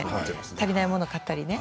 足りないものを買ったりね。